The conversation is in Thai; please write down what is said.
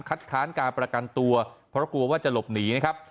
ค้านการประกันตัวเพราะกลัวว่าจะหลบหนีนะครับ